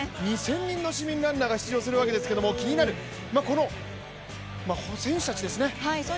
２０００人の市民ランナーが出場するわけですけど気になるのは選手たちですね。